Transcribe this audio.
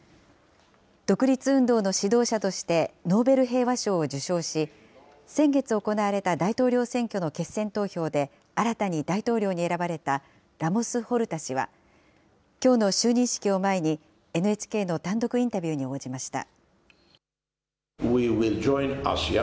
独立運動の指導者としてノーベル平和賞を受賞し、先月行われた大統領選挙の決選投票で、新たに大統領に選ばれたラモス・ホルタ氏は、きょうの就任式を前に、ＮＨＫの単独インタビューに応じました。